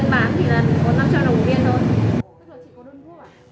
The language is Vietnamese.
nhà em vẫn bán thì là còn năm trăm linh đồng một viên thôi